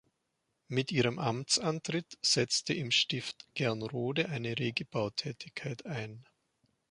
Mit ihrem Amtsantritt setzte im Stift Gernrode eine rege Bautätigkeit ein.